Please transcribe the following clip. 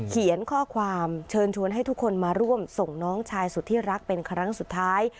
เขียนข้อความเชิญชวนให้ทุกคนมาร่วมส่งน้องชายสุดที่รักเป็นครั้งสุดท้าย